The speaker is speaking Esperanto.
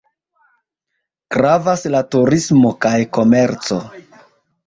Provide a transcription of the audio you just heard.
Gravas la turismo kaj komerco.